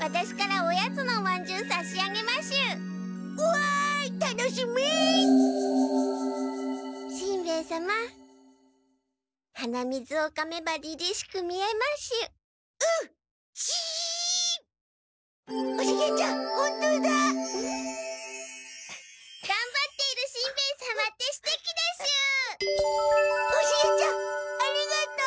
おシゲちゃんありがとう！